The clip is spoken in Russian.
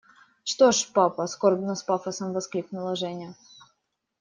– Что ж, папа! – скорбно, с пафосом воскликнула Женя.